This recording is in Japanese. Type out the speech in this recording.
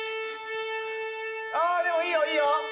ああでもいいよいいよ！